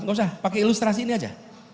tidak usah pakai ilustrasi ini saja